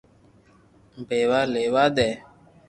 پيوا ليوا دي